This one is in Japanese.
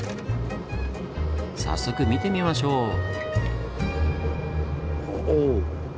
早速見てみましょう！